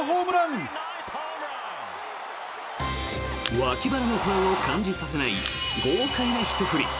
脇腹の不安を感じさせない豪快なひと振り。